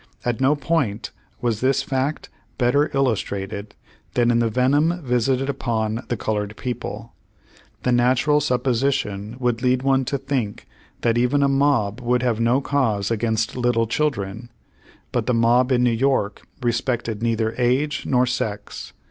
At no point was this fact better illustrated than in the venom visited upon the colored people. The natural sup position would lead one to think that even a mob would have no cause against little children. But the mob in New York respected neither age nor sex.